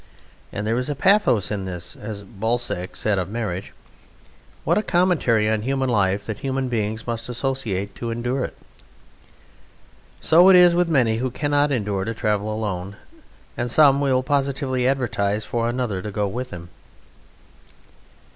And there is a pathos in this: as Balzac said of marriage, "What a commentary on human life, that human beings must associate to endure it." So it is with many who cannot endure to travel alone: and some will positively advertise for another to go with them.